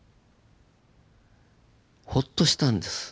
ホッとしたんです。